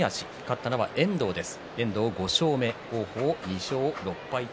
勝ったのは遠藤です。